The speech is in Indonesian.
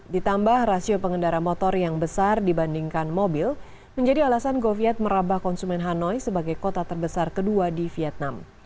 ditambah rasio pengendara motor yang besar dibandingkan mobil menjadi alasan goviet merabah konsumen hanoi sebagai kota terbesar kedua di vietnam